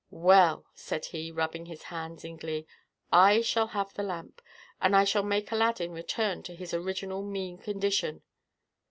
"Well," said he, rubbing his hands in glee, "I shall have the lamp, and I shall make Aladdin return to his original mean condition."